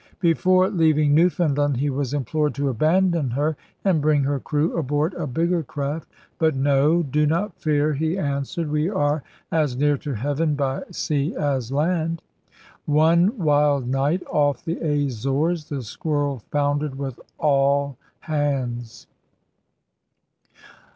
Before leaving Newfoundland he was implored to aban don her and bring her crew aboard a bigger craft. But no. 'Do not fear,* he answered; *we are as near to Heaven by sea as land.' One wild night off the Azores the Squirrel foundered with all hands.